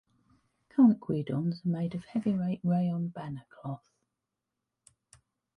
Current guidons are made of heavyweight rayon banner cloth.